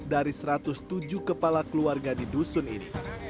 dari satu ratus tujuh kepala keluarga di dusun ini